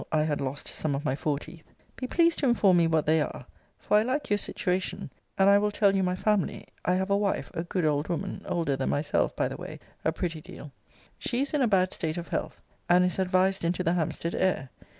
I had lost some of my fore teeth]: be pleased to inform me what they are; for I like your situation and I will tell you my family I have a wife, a good old woman older than myself, by the way, a pretty deal. She is in a bad state of health, and is advised into the Hampstead air.